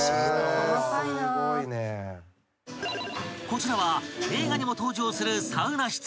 ［こちらは映画にも登場するサウナ室］